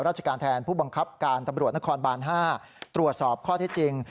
ราชการแทนผู้บังคับการตำรวจนครบาน๕ตรวจสอบข้อเท็จจริง